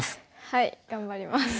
はい頑張ります。